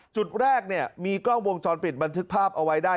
จุดแรกเนี่ยมีกล้องวงจรปิดบันทึกภาพเอาไว้ได้